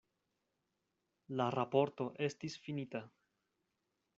La raporto estis finita.